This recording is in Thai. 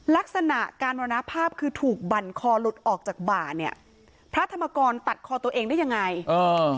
ลักษณะการมรณภาพคือถูกบั่นคอหลุดออกจากบ่าเนี่ยพระธรรมกรตัดคอตัวเองได้ยังไงเออ